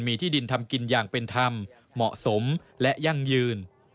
มีที่ดินทำกินอย่างเป็นธรรมเหมาะสมและยั่งยืน